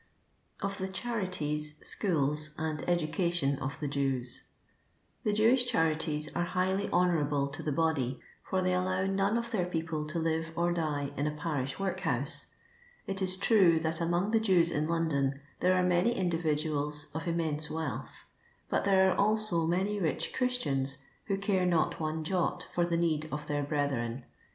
Of the CuABiTirs, Schools, akd EnucATieif OP THE Jews. The Jewish charities are highly honourable to the body, for they allow none of their people to live or'dic in a parish workhouse. It is true that among the Jews in London there are many individuals of immense wealth ; but there are also many rich Christians who care not one jot fur the need of their brethren.